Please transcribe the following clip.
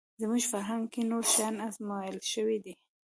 زموږ فرهنګ کې نور شیان ازمویل شوي دي